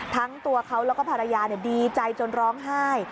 ทั้งตัวเขาแล้วก็ภรรยาดีใจจนร้องไห้